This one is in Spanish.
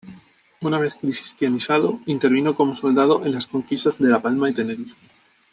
Una vez cristianizado, intervino como soldado en las conquistas de La Palma y Tenerife.